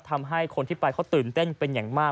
ทำให้คนที่ไปเขาตื่นเต้นเป็นอย่างมาก